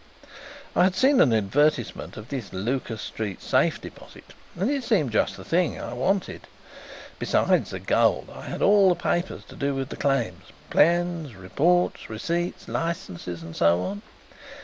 "I had seen an advertisement of this Lucas Street safe deposit and it seemed just the thing I wanted. Besides the gold, I had all the papers to do with the claims plans, reports, receipts, licences and so on.